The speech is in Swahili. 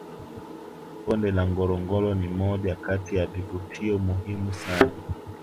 bonde la ngorongoro ni moja Kati ya kivutio muhimu sana